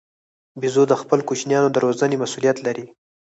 بیزو د خپلو کوچنیانو د روزنې مسوولیت لري.